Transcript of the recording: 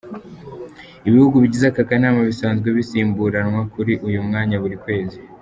Ibihugu bigize aka kanama bisanzwe bisimburanwa kuri uyu mwanya buri kwezi.